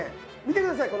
見てください。